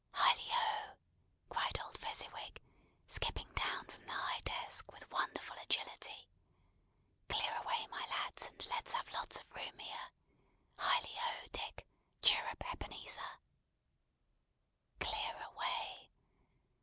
"Hilli ho!" cried old Fezziwig, skipping down from the high desk, with wonderful agility. "Clear away, my lads, and let's have lots of room here! Hilli ho, Dick! Chirrup, Ebenezer!" Clear away!